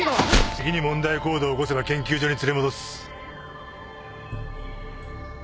次に問題行動を起こせば研究所に連れ戻す